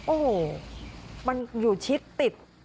โอ้โหมันอยู่ชิดติด